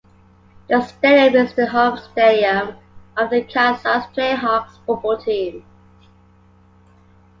The stadium is the home stadium of the Kansas Jayhawks football team.